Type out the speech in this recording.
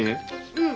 うん。